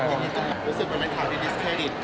รู้สึกว่ามันเป็นถามที่ดิสเครดิต